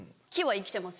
生きてます！